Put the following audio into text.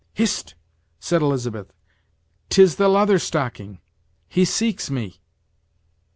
"Hist!" said Elizabeth; "'tis the Leather Stocking; he seeks me!"